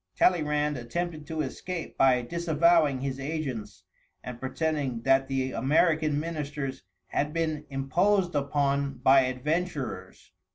Talleyrand attempted to escape by disavowing his agents, and pretending that the American ministers had been imposed upon by adventurers.